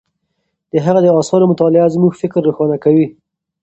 د هغه د آثارو مطالعه زموږ فکر روښانه کوي.